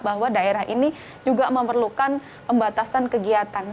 bahwa daerah ini juga memerlukan pembatasan kegiatan